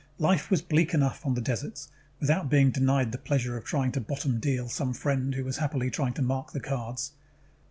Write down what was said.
Life was bleak enough on the deserts, without being denied the pleasure of trying to bottom deal some friend who was happily trying to mark the cards.